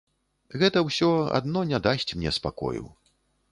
Гэта ўсё адно не дасць мне спакою.